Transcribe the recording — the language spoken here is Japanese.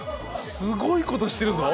すごいことしてるぞ。